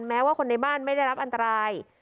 แม้ว่าคนในบ้านไม่ได้รับอันตราย